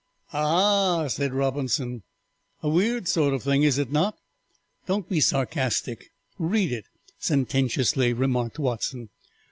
"Ah," said Robinson, "a weird sort of thing, is it not?" "Don't be sarcastic, read it," sententiously remarked Watson.